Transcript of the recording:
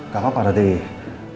gak apa apa raditya